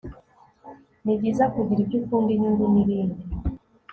nibyiza kugira ibyo ukunda, inyungu nibindi